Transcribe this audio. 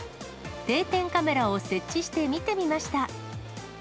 定点カメラを設置して見てみました。